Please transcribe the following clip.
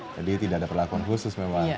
jadi tidak ada perlakuan khusus memang